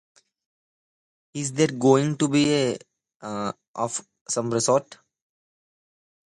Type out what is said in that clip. Is there going to be a resurrection of some sort?